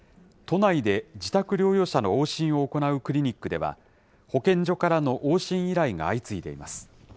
都内で自宅療養者の往診を行うクリニックでは、保健所からの往診依頼が相次いでいます。